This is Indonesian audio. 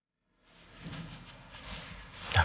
aku punya anak yanti